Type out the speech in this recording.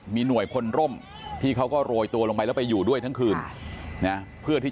ชายไทยเดินไปส่องน้ำเย็น